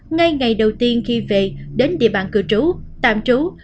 ngay ngày đầu tiên khi về đến địa bàn cư trú tạm trú